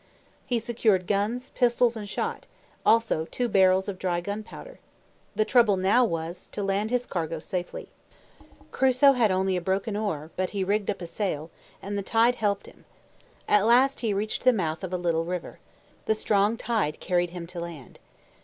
He secured guns, pistols, and shot, also two barrels of dry gunpowder. The trouble now was to land his cargo safely. Crusoe had only a broken oar, but he rigged up a sail, and the tide helped him. At last he reached the mouth of a little river. The strong tide carried him to land.